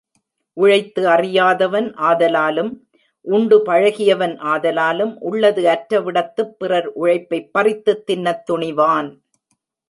உழைத்து அறியாதவன் ஆதலாலும், உண்டு பழகியவன் ஆதலாலும், உள்ளது அற்ற விடத்துப், பிறர் உழைப்பைப் பறித்துத் தின்னத் துணிவான்.